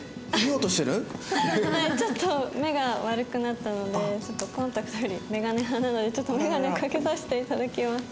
ちょっと目が悪くなったのでコンタクトより眼鏡派なので眼鏡をかけさせて頂きます。